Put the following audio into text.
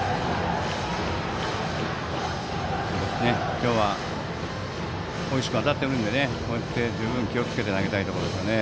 今日は、大石君当たっているのでこうやって十分気をつけて投げたいですね。